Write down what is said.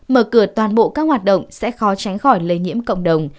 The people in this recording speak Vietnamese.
mở cửa toàn bộ các hoạt động sẽ khó tránh khỏi lây nhiễm cộng đồng